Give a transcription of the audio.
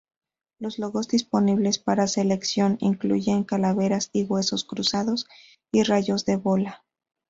Los logos disponibles para selección incluyen calaveras y huesos cruzados y rayos de bola.